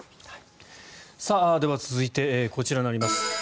では、続いてこちらになります。